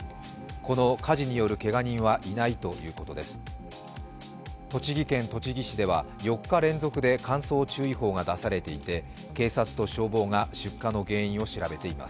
この火事によるけが人はいないとのことです。